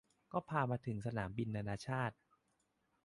ก็พามาถึงสนามบินนานาชาติ